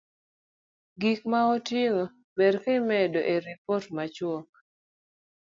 Gik ma otigo ber ka imedo e ripot machuok